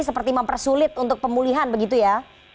seperti mempersulit untuk pemulihan begitu ya